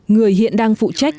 người hiện đang phụ trách